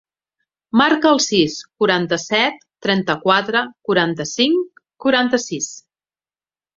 Marca el sis, quaranta-set, trenta-quatre, quaranta-cinc, quaranta-sis.